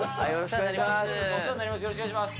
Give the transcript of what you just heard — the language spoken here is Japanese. よろしくお願いします。